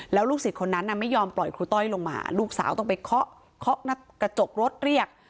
แล้วลูกศิษย์คนนั้นไม่ยอมปล่อยครูต้อยลงมาลูกสาวต้องไปเคาะเคาะหน้ากระจกรถเรียก